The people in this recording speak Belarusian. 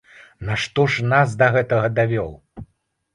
Нашто ж нас да гэтага давёў?